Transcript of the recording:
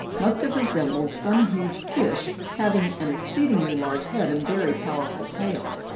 81), must have resembled some huge fish, having an exceedingly large head and very powerful tail.